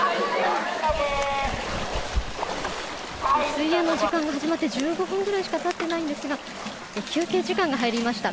水泳の時間が始まって１５分ぐらいしか経ってないんですが休憩時間が入りました。